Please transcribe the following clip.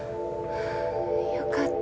よかった。